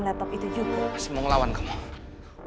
laptop itu juga masih mau ngelawan kamu